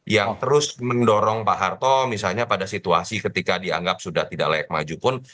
yang terus mendorong pak harto misalnya pada situasi ketika dianggap sudah tidak layak maju pun